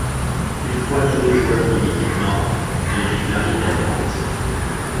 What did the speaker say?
Une fois tous les joueurs d'une équipe morts, elle est déclarée perdante.